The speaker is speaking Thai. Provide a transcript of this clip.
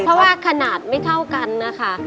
เพราะว่าขนาดไม่เท่ากันนะคะ